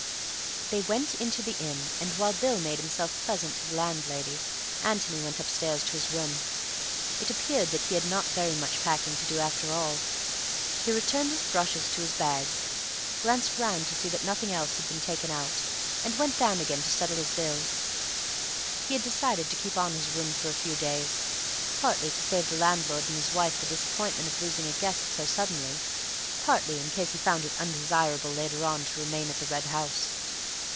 They went into the inn, and while Bill made himself pleasant to the landlady, Antony went upstairs to his room. It appeared that he had not very much packing to do, after all. He returned his brushes to his bag, glanced round to see that nothing else had been taken out, and went down again to settle his bill. He had decided to keep on his room for a few days; partly to save the landlord and his wife the disappointment of losing a guest so suddenly, partly in case he found it undesirable later on to remain at the Red House.